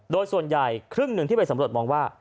โดยส่วนใหญ่ครึ่งหนึ่งที่ไปสำรวจมองว่า